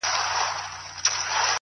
o که تریخ دی زما دی ـ